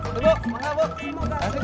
pastu lah buat meskin